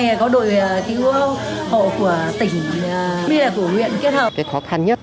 may có đội thị ưu hộ của tỉnh miền là của huyện kết hợp